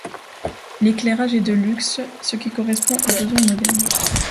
L'éclairage est de lux, ce qui correspond aux besoins modernes.